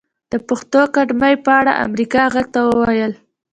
د پښتو اکاډمۍ په اړه امريکا غږ ته وويل